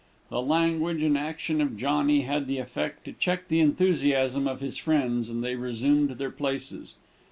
The language and action of Johnny had the effect to check the enthusiasm of his friends, and they resumed their places.